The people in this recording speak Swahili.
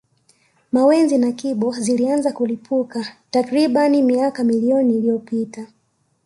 Mawenzi na Kibo zilianza kulipuka takriban miaka milioni iliyopita